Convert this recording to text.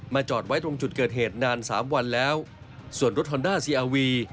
จอดไว้ตรงจุดเกิดเหตุนานสามวันแล้วส่วนรถฮอนด้าซีอาวี